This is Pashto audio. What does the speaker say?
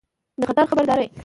د خطر خبرداری